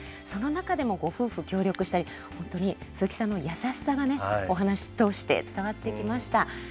その中でもご夫婦協力したり、本当に鈴木さんの優しさがね、お話通して伝わってきました。